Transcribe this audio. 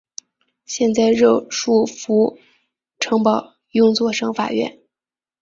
现在热舒夫城堡用作省法院。